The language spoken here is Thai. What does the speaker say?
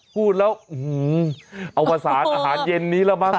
พูดแล้วอุ้หือเอามาสานอาหารเย็นนี้ละมั้ง